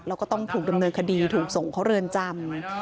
แล้วก็ก็ต้องดำเนินคดีถูกส่งเขาเลินจำ